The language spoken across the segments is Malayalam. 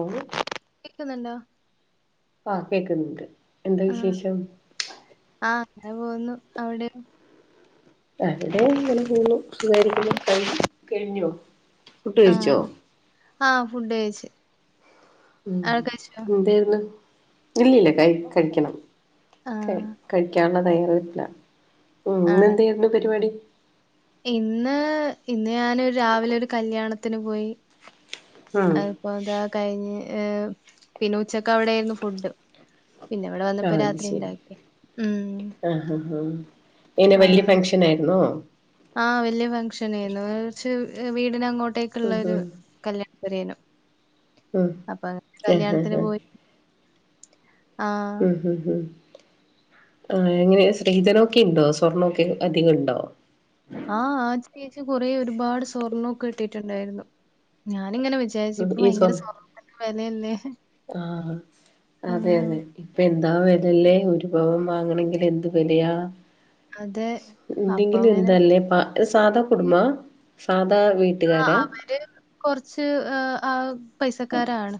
ഉം കേൾക്കുന്നുണ്ടോ ഓഹ് കേക്കുന്നുണ്ട് എന്താ ആഹ്. വിശേഷം ആഹ് അങ്ങനെ പോവുന്നു അവിടെ ആഹ് വിടെ ഇങ്ങനെ പോകുന്നു സുഖാരിക്കുന്നു കഴ കഴിഞ്ഞോ ഫുഡ്‌ കഴിച്ചോ ആഹ്. ആഹ് ഫുഡ് കഴച്ചു ഉം എന്തര്ന്ന് ഇല്ലല്ല ക കഴിക്കണം ക ആഹ്. കഴിക്കാനുള്ള തയ്യാറെടുപ്പില ആണ്. ഇന്നെന്തായിരുന്നു പരിപാടി ഇന്ന് ഇന്ന് ഞാനരു രാവിലെ ഒരു കല്യാണത്തിന് പോയി ഉം അപ്പൊ എന്താ കഴിഞ്ഞ് പിന്നെ ഉച്ചക്ക് അവിടെയായിരുന്നു ഫുഡ് പിന്നെ ഇവിടെ വന്നപ്പോ ആഹ് അത് രാത്രി ശരി ഉണ്ടാക്കി ഉം ആഹ് ആഹ് ആഹ് എങ്ങനെ വലിയ ആഹ്. ഫംഗ്ഷൻ ആയിരുന്നോ ആഹ് വലിയ ഫംഗഷന ആയിരുന്നു കുറച്ച് വീടിന അങ്ങോട്ടേക്കള്ള ഉം ഒരു ഉം കല്യാ ഉം അപ്പൊ അങ്ങനെ ആഹ് കല്യാണത്തിന് ആഹ് ആഹ് പോയി ആഹ് ഉം ആഹ് എങ്ങനെ സ്സ്ത്രീധനൊക്കെ ഉണ്ടോ സ്വർണൊക്കെ അധികം ഉണ്ടോ ആഹ് ആഹ് ചേച്ച കുറേ ഒരുപാട് സ്വർണ്ണമൊക്കെ ഇട്ടിട്ടുണ്ടായിരുന്നു ഞാനിങ്ങനെ വിചാരിച്ച ഉം ഇപ്പ ഈ സ്വ ഭയങ്കര സ്വർണത്തിനൊക്കെ വിലയല്ലേ ഇപ്പ എന്താ വിലല്ലേ ഒരു പവം വാങ്ങണെങ്കിൽ എന്ത് വിലയാ അതെ അപ്പൊ എന്തെങ്കിലും അങ്ങനെ എന്തല്ലേ പ സാധാ കുടുംബ സാധാ വീ ആഹ് അവര് കൊറച്ച് ആഹ് പൈസക്കാരാണ്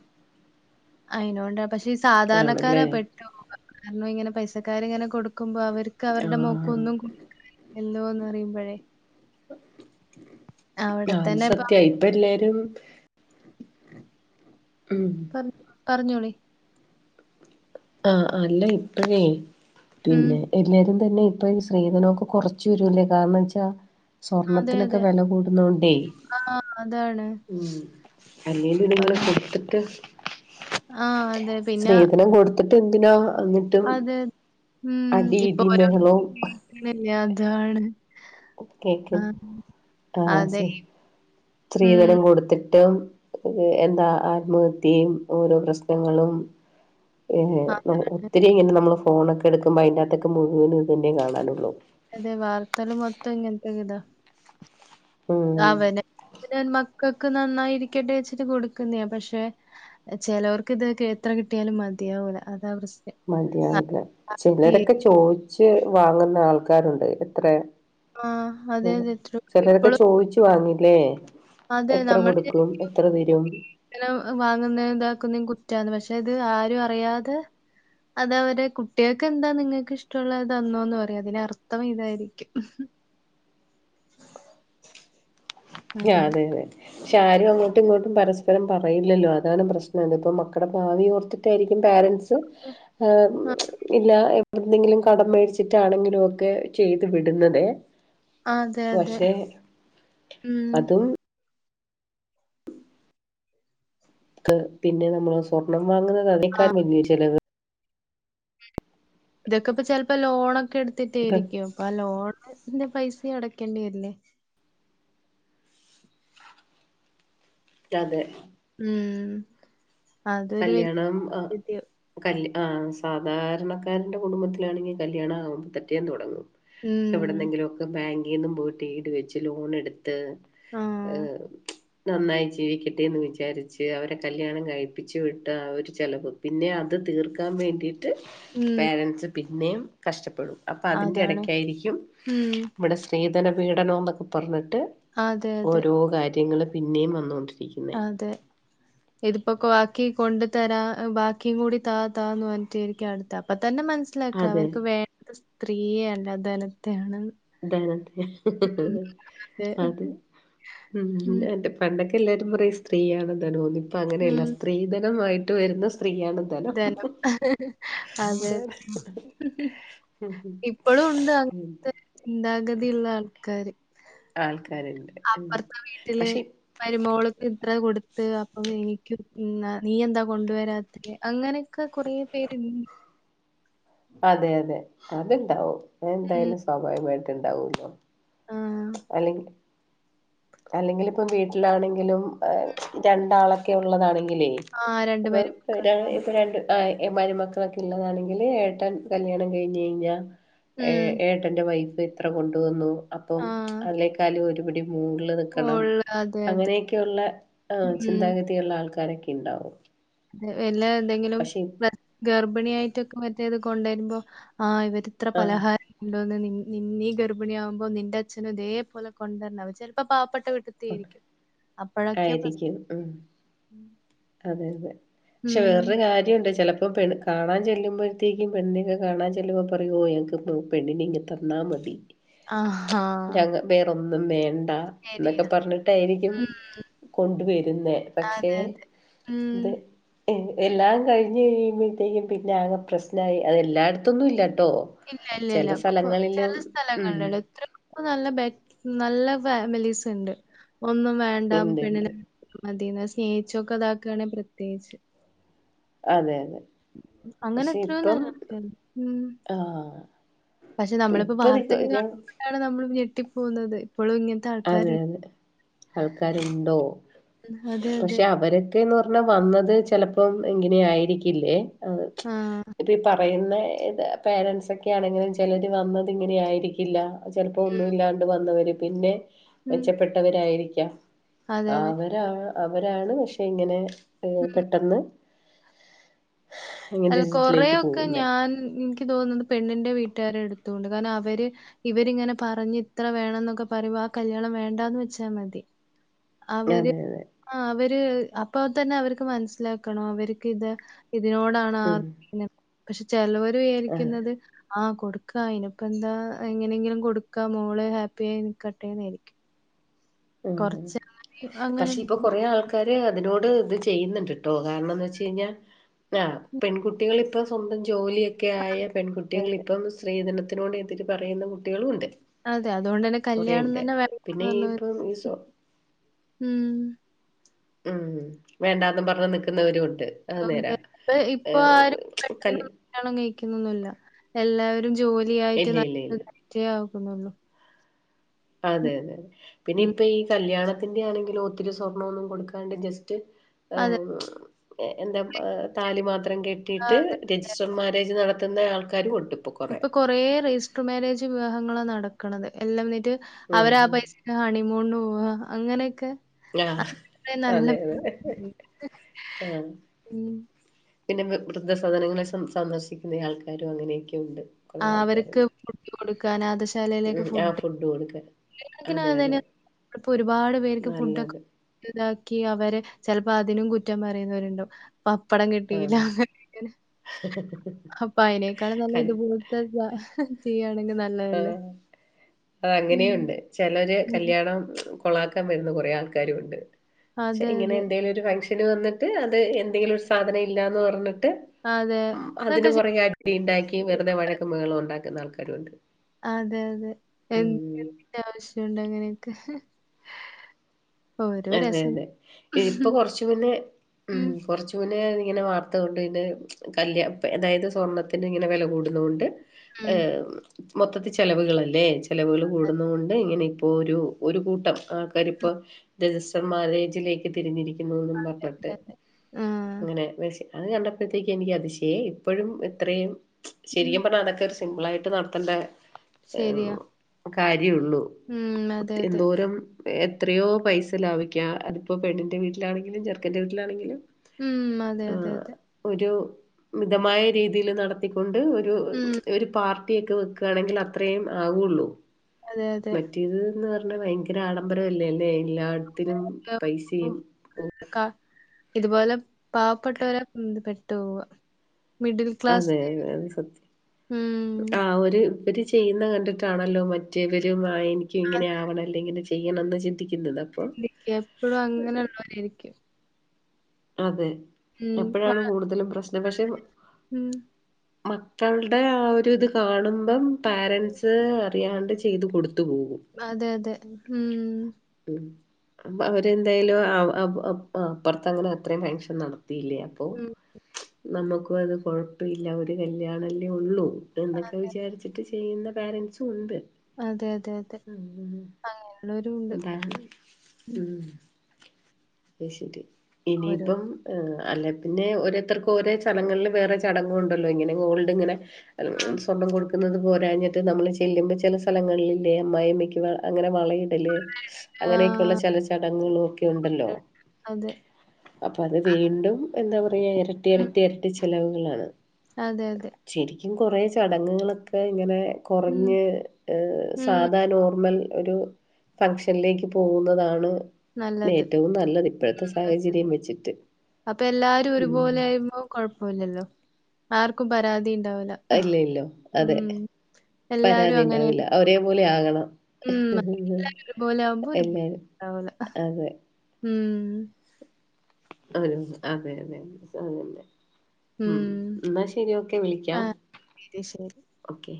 അയിനോണ്ട പക്ഷെ ഈ ആണല്ലേ സാധാരണക്കാരാ പെട്ടോകുന്നത് കാരണം ഇങ്ങനെ പൈസക്കർ ഇങ്ങനെ കൊടുക്കുമ്പോ അവർക്ക് അവരുടെ മോക്ക് ആഹ് ഒന്നും എന്തുവാന്ന് അറിയുമ്പോഴയെ അത് സത്യ ഇപ്പൊ എല്ലാരും- ഉം പറ പറഞ്ഞോളി ആഹ് അല്ല ഇപ്പഴേ ഉം പിന്നെ- എല്ലാരും തന്നെ ഇപ്പൊ ഈ സ്ത്രീധനമൊക്കെ കൊറച്ച് വരൂല്ലേ കാരണന്ന് വെച്ചാ- അതെ സ്വർണത്തിനൊക്കെ അതെ വെല കൂടുന്നണ്ടേ ആ അതാണ് ഉം അല്ലേലും ഇത് അപ്പൊ ഇങ്ങനെ അങ്ങനെ കൊടുത്തിട്ട് - ആ അതെ പിന്നെ സ്ത്രീധനം കൊടുത്തിട്ട് എന്തിനാ അത് - അതെ ഉം ഇപ്പൊ ഒര ബഹളവും [unintelligible] അതാണ് ഓക്കേ ഓക്കേ ആ ആഹ് അതെ. ശരി സ്ത്രീധനം കൊ കൊടുത്തിട്ടുംത് എന്താ ആത്മഹത്യയും ഓരോ പ്രശ്നങ്ങളും- ഏഹ് ഒത്തിരി ഇങ്ങനെ നമ്മള് ഫോണൊക്കെ എടുക്കുമ്പോ അതിനകത്തൊക്കെ മുഴുവനന് ഇത് തന്നെ കാണാനുള്ളു അതെ വാർത്തകള് മൊത്തം ഇങ്ങനത്തെ ഇതാ ഉം അവനെ- പിന്നെ മക്കൾക്ക് നന്നായിരിക്കട്ടെ വച്ചിട്ട് കൊടുക്കുന്ന പക്ഷെ- ചെലവർക്ക് ഇതൊക്കെ എത്ര കിട്ടിയാലും മതിയാവൂല അതാ പ്രശ്നം മതിയാവില്ല അത് ചിലരൊക്കെ ആയിരിക്കും. ചോദിച്ച് വാങ്ങുന്ന ആൾക്കാരുണ്ട് എത്ര- ആ. അതെ, അതെ. ട്രൂ. ചെലരൊക്കെ ഇപ്പളും ചോദിച്ചു വാങ്ങുംയില്ലേ അതെ എത്ര നമ്മള് കൊടുക്കും വിചാരിക്കും എത്ര തരും ഇങ്ങനെ വാങ്ങുന്ന ഇതാക്കുന്നതും കുറ്റവാന്ന് പക്ഷെ ഇത് ആരും അറിയാതെ- അത് അവര് കുട്ടികൾക്ക് എന്താ നിങ്ങൾക്ക് ഇഷ്ടമുള്ളത് തനോന്ന് പറയും അതിന് അർത്ഥം ഇതായിരിക്കും യാ അങ്ങനെ. അത് തന്നെ പക്ഷെ ആരും അങ്ങോട്ടും ഇങ്ങോട്ടും പരസ്പരം പറയില്ലല്ലോ അതാണ് പ്രശ്നം അത് ഇപ്പ മക്കടെ ഭാവി ഓർത്ത് - ട്ടാരിക്കും പാരൻസ് അ ഇല്ല- എന്തെങ്കിലും കടം മേടിച്ചിട്ടാണെങ്കിലും ഒക്കെ ചെയ്ത് വിടുന്നതേ. ആഹ് അതെ അതെ ഉം. അതും ക്ക് പിന്നെ നമ്മള് സ്വർണ്ണം വാങ്ങുന്നത് ആ. അതിനേക്കാൾ വല്ലിയ ചെലവ്. ഇതൊക്കെ ഇപ്പ ചെലപ്പോ ലോണൊക്കെ എടുത്തിട്ടായിരിക്കും അപ്പൊ ആ ലോണിന്റെ പൈസയും അടക്കേണ്ടി വരില്ലേ? അതെ ഉം അതൊരു വലിയ കല്യാണം ആ [unintelligible] കല് ആ സാധാരണക്കാരന്റെ കുടുംബത്തിലാണെങ്കി കല്യാണം ആകുമ്പോ പിറ്റേന്ന് തൊടങ്ങും. ഉം. എവിടുന്നെങ്കിലും ഒക്കെ ബാങ്കിൽ നിന്നും പോയിട്ട് ഈട് വെച്ച് ലോൺ എടുത്ത്- ആഹ് നന്നായി ജീവിക്കട്ടെ എന്ന് വിചാരിച്ച് അവരെ കല്യാണം കഴി- ച്ചവിട്ട ആ ഒരു ചെലവ് പിന്നെ അത് തീർക്കാൻ വേണ്ടിട്ട് ഉം പാരൻസ്- പിന്നെം കഷ്ടപ്പെടും അപ്പ അതിന്റെ അതാണ് എടയ്ക്കായിരിക്കും ഉം ഇവിടെ- സ്ത്രീധന പീഡനോന്നൊക്കെ പറഞ്ഞിട്ട് അതെ അതെ ഓരോ കാര്യങ്ങൾ പിന്നേം വന്നൊണ്ടിരിക്ക. അതെ. [inaudible] ഇതിപ്പോ ആക്കി കൊണ്ടു തരാൻ ബാക്കിയും കൂടി താ താന്ന് പറഞ്ഞിട്ട ആരിക്കും അടുത്ത അപ്പൊ തന്നെ മനസ്- മനസ്സിലാക്കാം അതെ അവർക്ക് വേണ്ട സ്ത്രീയെയല്ല ധനത്തെയാണ് താനത്തെ അതെ അത. [unintelligible] ഉം എന്റെ പണ്ടൊക്കെ എല്ലാരും പറയും സ്ത്രീയാണ് ധനോന്ന് ഇപ്പൊ അങ്ങനെയല്ല ഉം സ്ത്രി- സ്ത്രീധനമായിട്ട് വരുന്ന സ്ത്രീയാണ്. ധനം ഇതേയല്ലോ അതെ. എന്താണ് ഉം ഇപ്പോഴും ഉണ്ട് ഉം. അങ്ങനത്തെ ചിന്താഗതിയുള്ള ആൾക്കാാര്. ആൾക്കാരുണ്ട് പക്ഷേ. മരുമോളക്കെ ഇത്ര കൊടുത്ത് അപ്പൊ എനക്ക് നീ എന്താ കൊണ്ടുവരാ. ത്രിയെ അങ്ങനൊക്കെ കൊറേ പേര്ൺ അതെ അതെ അത്ണ്ടാവും ഉം. അതെന്തായാലും സ്വാഭാവികമായിട്ട് ഉണ്ടാവൂല്ലോ. ആഹ്. അല്ലെങ്കി. അല്ലെങ്കിൽിപ്പം വീട്ടിലാണെങ്കിലും രണ്ടാളൊക്കെ ഉള്ളതാണെങ്കിലേ. ആ രണ്ടു ഇപ്പൊ പേരും. ഇപ്പൊ രണ്ട് മരുമക്കളൊക്കെ ഉള്ളതാണെങ്കില് ഏട്ടാൻ കല്യാണം കഴിഞ്ഞഞ് കഴിഞ്ഞ്ഞ്ഞാ. ഏ ഉം. ഏട്ടന്റെ വൈഫ് ഇത്ര കൊണ്ടുവന്നു അപ്പം ആഹ്. അല്ലേക്കാളും ഒരുപിടി. മൂുകളില് നിൽക്കണം മോള് അതെ, അതെ. അങ്ങനെയൊക്കെയള്ള ഉം. ചിന്താഗതിയ ഉുള്ള ആൾക്കാരൊക്കെ ഉണ്ടാവും. വല്ലാ എന്തെങ്കിലും പക്ഷെ ഗർഭിണിയായിട്ടൊക്കെ മറ്റേത് കൊണ്ടുവരുമ്പോ ആ ഇവർ. ഇത്ര ആ പലഹാരം. ഉണ്ടോന്ന് നിന്നീ ഗർഭിണിയ ആകുമ്പോൾ നിന്റെ അച്നും ഇതേപോലെ കൊണ്ടുവരന്ന ചിലപ്പോ പാവപ്പെട്ട വീട്ടിത്തെ. അപ്പോഴൊക്കെ പ്രശ്നം. ആയിരിക്കും ഉം അതെ അതെ പക്ഷെ വേറൊരു ഉം. കാര്യണ്ട് ചിലപ്പോ പെണ്. കാണാൻ ചെല്ലുമ്പോഴത്തേക്കും പെണ്ണിനൊക്കെ കാണാൻ ചെല്ലുമ്പോൾ പറുമോ ങ്ങൾക്ക് പെണ്ണിനെ ഇങ് തന്നാ മതി ആഹാ. ഞങ്ങ വേറൊന്നും വേണ്ട. ശരിയാ. ന്നൊക്കെ പറഞ്ഞിട്ടായിരിക്കും ഉം. കൊണ്ട വരുന്നേ പക്ഷേ. അതെ, അതെ. ഉം. അത്. എല്ലാം കഴിഞ്ഞ് കഴിയുമ്പോഴത്തേക്കും പിന്നെ ആകെ പ്രശ്നായി അത എല്ലായിടത്തൊന്നും ഇല്ലട്ടോ. ഇല്ല ഇല്ല ഇല്ല ഒക്കെ ചെല ഉം സ്ഥലങ്ങളിലള്ള എത്ര. അ നല്ല ബെ നല്ല ഫാമിലീസ് ഉണ്ട് ഒന്നും വേണ്ട ഉണ്ട് ഉണ്ട് പെണ്ണിനെ. മത എന്നാ സ്നേഹിച്ചൊക്കെ അതാക്കുകയാണെങ്ക പ്രത്യേകിച്ച്. അതെ അതെ. അങ്ങനെ പക്ഷെ എത്രയോ ഇപ്പം നല്ല ഉ. ആഹ് പക്ഷെ നമ്മളിപ്പോ ഇപ്പ വാർത്തൽ ഞാൻ കാണൊണ്ടാണ് നമ്മൾ ഞെട്ടിപ്പോകുന്നത് ഇപ്പോഴും ഇങ്ങനത്തെ. അതെ ആൾക്കാരുണ്ടെന്ന്. അതെ ആൾക്കാരുണ്ടോ അതെ, അതെ. പക്ഷെ അവരെ. ഒക്കെന്ന് പറഞ്ഞാ വന്നത് ചിലപ്പോം ഇങ്ങനെ ആയിരിക്കില്ലേ അ ആ. ഇപ്പ ഈ പറയുന്ന ഇത പേരൻസൊക്കെയാണെങ്കിലും ചിലർ വന്നത് ഇങ്ങനെ ആയിരിക്കില്ല ചിലപ്പോ ഒന്നും ഇല്ലാണ്ട് വന്നവരും പിന്നെ ഉം. മെച്ചപ്പെട്ടവരായിരിക്കാം അതെ, അതെ. അവരാ അവരാണ് പക്ഷെ ഇങ്ങനെ ഏ ഉം. പെട്ടെന്ന് അല്ല ഇങ്ങനൊരിതിലേക്ക് കൊറെൊക്കെ പോകുന്നെ ഞാൻ എനിക്ക് തോന്നുന്നത് പെണ്ണിൻന്റെ വീട്ടുകാര എടുത്തൊണ്ട് കാരണം അവര് ഇവരിങ്ങനെ പറഞ്ഞഞ് ഇത്ര വേണം എന്നൊക്കെ പറയ്മ്പോ ആ കല്യാണം വേണ്ടാന്ന് വെച്ചാൽ മതി അവര് അതെ അതെ ആ അവര് അപ്പൊ തന്നെ അവർക്ക് മനസ്സിലാക്കണം അവർക്ക് ഇത് ഇതിനോടാണ് ഉം പക്ഷെ ചിലവരു അതെ വിചാരിക്കുന്നത് ആഹ കൊടുക്കാ അയ്നിപ്പോ എന്താ എങ്ങനെയെങ്കിലും കൊടുക്കാ മോള് ഹാപ്പിയ ആയി നിക്കട്ടെ എന്ന വിചാരിക്കും ഉം അങ്ങനെ അങ്ങനെ പക്ഷെ ഇപ്പൊ കൊറേ ആൾക്കാ ആക്ക അതിനോട് ഇത് ചെയ്യുന്നുണ്ട് കേട്ടോ കാരണംന്ന് വെച്ച് കഴിഞ്ഞാൽ ആ പെൺകുട്ടികൾ ഇപ്പ സ്വന്തം ജോലിയൊക്കെ ആയ അതെ പെൺകുട്ടികൾ അതെ. ഇപ്പൊ സ്ത്രീധനത്തിനോട് എതി്ര് പറയുന്ന കുട്ടികളുംണ്ട് അതെ അതുകൊണ്ട് തന്നെ കല്യാണം തന്നെ വേണ്ട പിന്നെ ഈ വന്ന് പറഞ്ഞ ഇപ്പം യസ ഉം ഉം വേണ്ടാന്നും പറഞ്ഞ് നിക്കുന്നവരും ഉണ്ട് അത് അതെ നേരാ പ്പൊ ഇപ്പൊ ഏഹ് ആരും പെട്ടെന്ന് കല് ണം കഴിക്കുന്നൊന്നുല്ല എല്ലാവരും ജോലി ആയിട്ട് ഇല്ല ഇല്ല ഇല്ല നല്ലതറ്റേ ആകുന്നുള്ളൂ അതെ അതെ അതെ പിന്നെ ഉം. ഇപ്പ ഈ കല്യാണത്തിന്റെ ആണെങ്കിലും ഒത്തിരി സ്വർണ ഒന്നും കൊടുക്കാണ്ട ജസ്റ്റ് ഏ അതെ. എ എന്താ താലി മാത്രം കെ ആ ട്ടിയിട്ട് അതെ, അതെ. രജിസ്റ്റർ മാര്രേജ് നടത്തുന്ന ആൾക്കാരും ഉണ്ട് പ്പൊ കൊറേ ഇപ്പൊ കൊറേ രജിസ്റ്റർ മാരേജ് വിവാഹങ്ങളാ നടക്ക്ണത് എല്ലാം എന്നിട്ട് ഉം അവരാ ആ ഉം പൈസ ഹണിമൂൺന് പോവാ അങ്ങനെയൊക്കെ അ ആഹ് നല്ല അതെ അതെ ആഹ് ഉം പിന്നെ വൃ വൃദ്ധ സദനങ്ങളെ സന് സന്ദർശിക്കുന്ന ആൾക്കാരും അങ്ങനെയൊക്കെ ഉണ്ട് കുറേ ആ അവർക്ക് ആൾക്കാരുണ്ട് ഫുഡ് കൊടുക്ക അനാദശാലയിലേക്ക് ഉം ആ ഫുഡ് കൊടുക്കാൻ [unintelligible] അതെ അതെ അതന്നെ ഇപ്പൊ ഒരുപാട് പേർക്ക് ഫുഡൊക്കെ നല്ലത് ഇണ്ടാക്കി അവര് ചെൽപ്പോ അതിനും കുറ്റം പറയുന്നവരുണ്ടാവും പപ്പടം കിട്ടീല്ല ആഹ് അങ്ങന ഇങ്ങനെ അപ്പ അയ്നേക്കാളും നല്ലത് ഇത്പ [unintelligible] ചെയ്യയാണെങ്കിൽ നല്ല ആഹ് അങ്ങനെയും ഉണ്ട് ഉം. ചെലര് ഉഹും. കല്യാണം കൊളാക്കാൻ വരുന്ന കൊറേ ആൾക്കാരും ഉണ്ട് പക്ഷേ അതെ, ഇങ്ങനെ അതെ. എന്തെലും ഒരു ഫംഗ്ഷൻ ന് വന്നിട്ട് അത് എന്തെങ്കിലും ഒരു സാധനം ഇല്ലാന്ന് പറഞ്ഞിട്ട് അതെ. അതിന് അതൊക്കെ ശരിക്കും പുറകെ വി ഇണ്ടാക്കിം വെറുതെ വഴക്കും ബഹളും ഉണ്ടാക്കുന്ന ആൾക്കാരുണ്ട് അതെ അതെ എന്ത ന് ഉം ആവശ്യണ്ട് അങ്ങനെയൊക്കെ ഓരോ അതെ രസം. അതെ ഇപ്പൊ കൊർച്ച് മുന്നെ ഉം കൊർച്ച് ശൂനെ ഇങ്ങനെ വാർത്ത കൊണ്ട് പിന്നെ കല്ല്യ അതായത് സ്വർണ്ണത്തിന് ഇങ്ങനെ വെല കൂടുന്നുകൊണ്ട് ഏ ഉം. മൊത്തത്തി ചെലവുകളല്ലേ ചെലവുകൾ കൂടുന്ന കൊണ്ട് ഇങ്ങനെ ഇപ്പോ ഒരു ഒരു കൂട്ടം ആൾക്കാരിപ്പോ രജിസ്റ്റർ മാരേജിലേക്ക് തിരിഞ്ഞിരിക്കുന്നുന്ന് അതെ, പറഞ്ഞിട്ട് അതെ, അതെ. ആ. അങ്ങനെ [unintelligible] അത് കണ്ടപ്പഴത്തേക്ക് എനിക്ക് അതിശയ ഇപ്പഴും ഇത്രയും ഉം. ശരിക്കും പറഞ്ഞാ അതൊക്കെ ഒരു സിംമ്പിള ആയിട്ട് നടത്തേണ്ട ശരിയാ. കാര്യള്ളൂ ഉം. അതെ, അതെ. എന്തോരം എത്രയോ പൈസ സാ ലഭിക്കാം അതിപ്പോ പെണ്ണിന്റെ വീട്ടിലണെങ്കിലും ചെറുക്കന്റെ വീട്ടിലാണെങ്കിലും ഉം അതെ അതെ ആഹ് അതെ ഒരു മിതമായ രീതിയിൽ നടത്തിക്കൊണ്ട് ഒരു ഉം ഒരു പാർട്ടിയെക്കെ വെക്കാണെങ്കിൽ അത്രേം ആവൊള്ളൂ അതെ അതെ ഇത് ന്ന് പറഞ്ഞാ ഭയങ്കര ആഡംബരംല്ലേ അല്ലെ എല്ലായിടത്തിനും ഒക്കെ ഓ, പൈസയും ക ഇതുപോലെ പാവപ്പെട്ടവരാ ഉം ത് പെട്ട്പോവാ അതെ അതെ അത് സത്യം ഉം. ആ ഒര് ഒരു ചെയ്യുന്നത് കണ്ടിട്ടാണല്ലോ മറ്റവരും ചെയ്യുന്ന കണ്ടിട്ട് ആണല്ലോ മറ്റേ വരും ആ എനിയ്ക് ഇങ്ങനെ ആവണം എന്തെങ്കിലും ചെയ്യണംന്ന് ചിന്തിക്കുന്നത്. അപ്പൊ ഇനിയ്ക്ക് എപ്പോളും അങ്ങനെ ള്ളോരെയ്രിയ്ക്കും. അതെ ഉം. വ എപ്പഴാണ് കൂടുതലും പ്രശ്നം പഷെ ഉം. മക്കൾടെ ആ ഒരു ഇത് കാണുമ്പം പാരൻസ്- അറിയാണ്ട് ചെയ്ത് കൊടുത്തു പോകും. അതെ അതെ ഉം. അപ്പൊ അവരെന്തായാലും അബ് അപ് അപ്പർത്ത് അങ്ങനെ അത്രയും ഫംഗഷൻ നടത്തിയില്ലേ അപ്പൊ ഉം. നമുക്കും അത് കൊഴപ്പില്ല ഒരു കല്യാണല്ലേ ഉള്ളൂ എന്നൊക്കെ അതെ. വിചാരി ചിട്ട് ചെയ്യുന്ന പേരൻസും ഉണ്ട്. അതെ, അതെ, അതെ. ഉം അങ്ങനെയുള്ളവരും ഉണ്ട്. ഉദാഹരണം ഉം. അഹ് ശെരി ഓരോ ഇനിയിപ്പം ആ അല്ലെ പിന്നെ ഓരോരുത്തർക്കും ഓരോ ചടലങ്ങള്ള് വേറെ ചടങ്ങു ണ്ടല്ലോ ഇങ്ങനെ ഗോൾഡ് ഇങ്ങനെ ആ. അ സ്വന്തം ഗോൾഡ് കുന്നത് പോരാഞ്ഞിട്ട് നമ്മള് ചെല്ലുമ്പോ ചെല സ്ഥലങ്ങളിൽല്ലേ അമ്മായിമ്മക്ക് അങ്ങനെ വളയും തില് അങ്ങനെയൊക്കെള്ള ആഹ്. ചെല ചടങ്ങുകളും ഒക്കെ ഉണ്ടല്ലോ.? അതെ. അപ്പൊ അത് വീണ്ടും എന്താ പറയാ എരട്ടി ഉം. എരട്ടി എരട്ടി ചെലവുകളാണ്. അതെ അതെ. ശരിക്കും കൊറേ ചടങ്ങുകളൊക്കെ ഇങ്ങനെ ഉം. കൊറഞ്ഞെ ഉം. സാധാ നോർമൽ ഒരു ഫംഗഷനിലേക്ക് പോകുന്നതാണ് നല്ലത്. ഏറ്റവും നല്ലത് ഉം. ഇപ്പോഴത്തെ സാഹചര്യം വെച്ചിട്ട് അപ്പൊ എല്ലാരും ഉം. ഒരുപോലെ [unintelligible] കൊഴപ്പോല്ലല്ലോ ആർക്കും പരാതിണ്ടാവൂല. ഇല്ല ഇല്ല അതെ പരാതി ണ്ടാവൂല ഒരേ പോലെ ആകണം. ഉ [unintelligible] ഇത്പോലെ ആമ്പോ ഒര് എല്ലാരും. ണ്ടാവൂല അതെ. ഉം. ആഹ് അതെ അതെ അതെ [unintelligible] ഉം ന്നാ ശെരി ഓക്കെ ആ വിളിക്കാം ശരി, ശരി. ഓക്കെ.